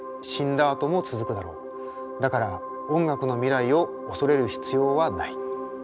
だから音楽の未来を恐れる必要はない」。